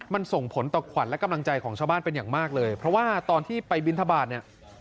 มันส่งผลต่อขวัญและกำลังใจของชาวบ้านเป็นอย่างมากเลยเพราะว่าตอนที่ไปบินทบาทเนี่ย